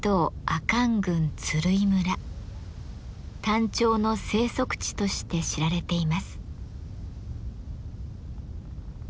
タンチョウの生息地として知られています。